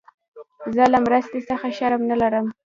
زه له مرستي څخه شرم نه لرم.